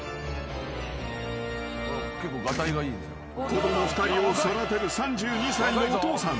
［子供２人を育てる３２歳のお父さん］